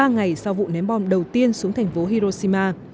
ba ngày sau vụ ném bom đầu tiên xuống thành phố hiroshima